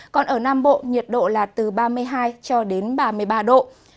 còn ở nam bộ nhiệt độ là từ ba mươi hai cho đến ba mươi ba độ